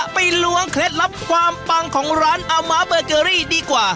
ล้วงเคล็ดลับความปังของร้านอาม้าเบอร์เกอรี่ดีกว่า